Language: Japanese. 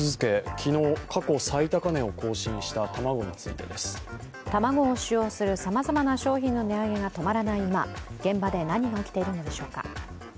昨日、過去最高値を更新した卵についてです。卵を使用するさまざまな商品の値上げが止まらない今、現場で何が起きているのでしょうか。